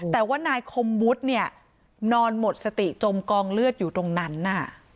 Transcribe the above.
แต่ว่านายคมวุฒิเนี่ยนอนหมดสติจมกองเลือดอยู่ตรงนั้นน่ะ